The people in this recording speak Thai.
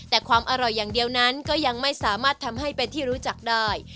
แต่ความอร่อยอย่างเดียวนั้นก็ยังไม่สามารถทำให้เป็นที่รู้จักได้